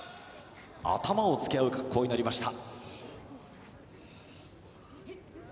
頭をつけ合う格好になりました。